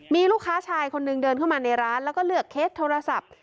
มีลูกค้าชายคนนึงเดินเข้ามาในร้านแล้วก็เลือกเคสโทรศัพท์